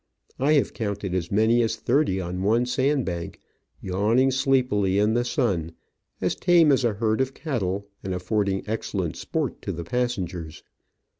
I have counted as many as thirty on one sandbank, yawning sleepily in the sun, as tame as a herd of cattle, and afford ing excellent sport to the passengers.